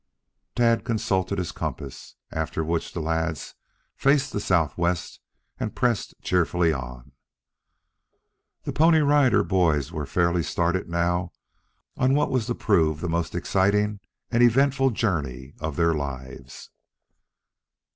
Tad consulted his compass, after which the lads faced the southwest and pressed cheerfully on. The Pony Rider Boys were fairly started now on what was to prove the most exciting and eventful journey of their lives.